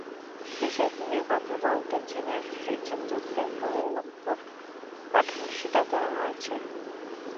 বিষয়টি নিয়ে কথা বলতে চীনের একজন দূতকে কুয়ালালামপুর পাঠানোর সিদ্ধান্ত নেওয়া হয়েছে।